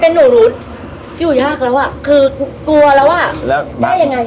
เป็นหนูหนูอยู่ยากแล้วอ่ะคือกลัวแล้วอ่ะแล้วได้ยังไง